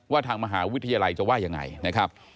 ทางมหาวิทยาลัยจะว่ายังไงนะครับ